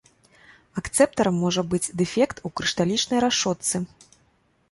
Акцэптарам можа быць дэфект у крышталічнай рашотцы.